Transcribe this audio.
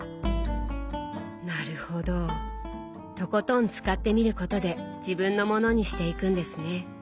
なるほどとことん使ってみることで自分のものにしていくんですね。